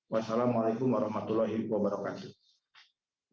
wassalamu'alaikum warahmatullahi wabarakatuh